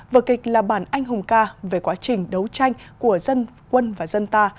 vở kịch là bản anh hùng ca về quá trình đấu tranh của dân quân và dân ta